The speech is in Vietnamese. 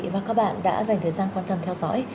và các bạn đã dành thời gian quan tâm theo dõi